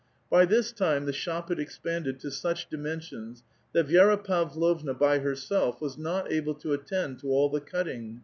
By 't;Liis time the shop had expanded to such dimensions that "Vi^ra Pavlovna by herself was not able to attend to all the csuttiiig.